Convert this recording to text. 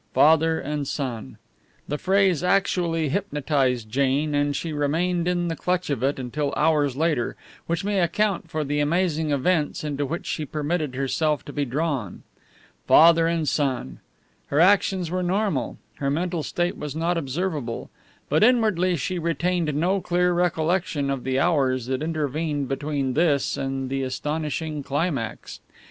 Father and son! The phrase actually hypnotized Jane, and she remained in the clutch of it until hours later, which may account for the amazing events into which she permitted herself to be drawn. Father and son! Her actions were normal; her mental state was not observable; but inwardly she retained no clear recollection of the hours that intervened between this and the astonishing climax.